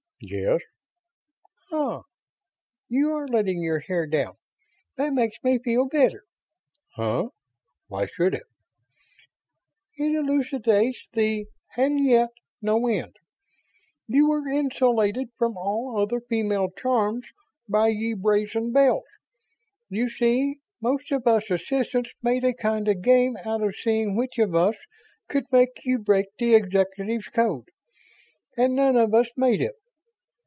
"Yes." "Ha! You are letting your hair down! That makes me feel better." "Huh? Why should it?" "It elucidates the 'and yet' no end. You were insulated from all other female charms by ye brazen Bells. You see, most of us assistants made a kind of game out of seeing which of us could make you break the Executives' Code. And none of us made it.